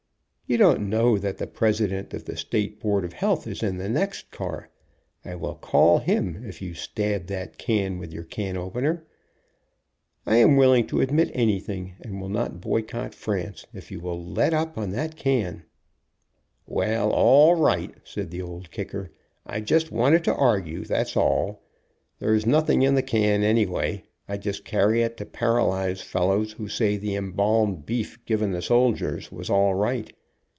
You don't know that the President of the State Board of Health is in the next car. I will call him if you stab that can with your can opener. I am willing to admit anything, and will not boycott France, if you will let up on that can." "Well, all right," said the Old Kicker. "I just wanted to argue, that is all. There is nothing in the can, anyway. I just carry it to paralyze fellows who say the embalmed beef given the soldiers was all right.